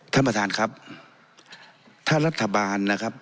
ท่านประธานครับถ้ารัฐบาลนะครับ